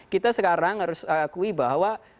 kita sekarang harus akui bahwa